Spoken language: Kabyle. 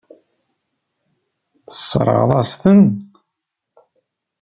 Tesseṛɣeḍ-as-ten.